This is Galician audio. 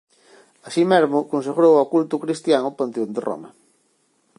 Así mesmo consagrou ao culto cristián o Panteón de Roma.